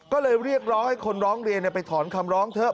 ก็เลยเรียกร้องให้คนร้องเรียนไปถอนคำร้องเถอะ